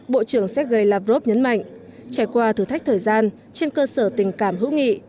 bộ trưởng sergei lavrov nhấn mạnh trải qua thử thách thời gian trên cơ sở tình cảm hữu nghị